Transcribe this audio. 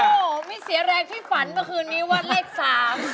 โอ้โหไม่เสียแรงที่ฝันเมื่อคืนนี้ว่าเลขสาม